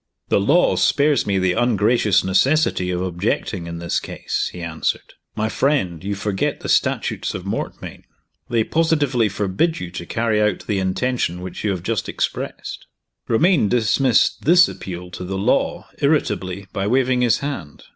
"The law spares me the ungracious necessity of objecting, in this case," he answered. "My friend, you forget the Statutes of Mortmain. They positively forbid you to carry out the intention which you have just expressed." Romayne dismissed this appeal to the law irritably, by waving his hand.